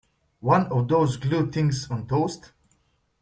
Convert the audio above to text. One of those glue things on toast?